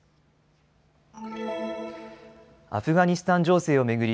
アフガニスタン情勢を巡り